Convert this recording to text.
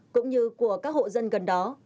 cũng như của các hộ dân gần đó